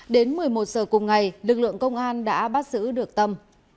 đến một mươi một giờ cùng ngày lực lượng công an đã bắt giữ được tâm